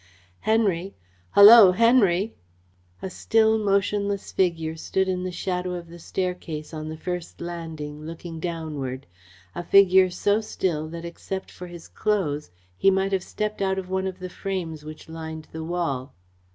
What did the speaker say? "Henry hullo, Henry!" A still, motionless figure stood in the shadow of the staircase on the first landing, looking downward; a figure so still that except for his clothes he might have stepped out of one of the frames which lined the wall.